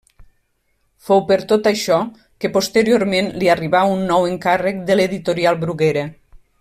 Fou per tot això que posteriorment li arribà un nou encàrrec de l'Editorial Bruguera.